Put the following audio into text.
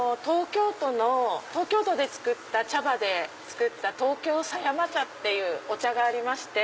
東京都で作った茶葉で作った東京狭山茶っていうお茶がありまして。